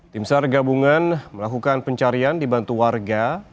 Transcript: tim sar gabungan melakukan pencarian dibantu warga